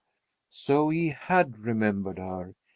So he had remembered her.